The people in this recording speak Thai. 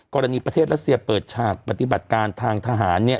กรณีประเทศรัสเซียเปิดฉากปฏิบัติการทางทหารเนี่ย